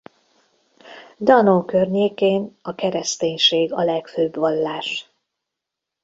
Dano környékén a kereszténység a legfőbb vallás.